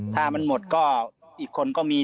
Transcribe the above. ถ้ามันหมดก็อีกคนก็มี